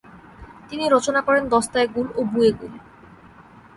তিনি রচনা করেন দস্তায়েগুল ও বুয়েগুল।